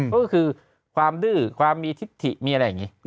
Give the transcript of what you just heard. ก็คือความดื้อความมีทิศถิมีอะไรอย่างนี้